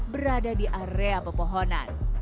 berada di area pepohonan